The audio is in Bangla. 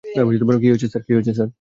কী হয়েছে, স্যার?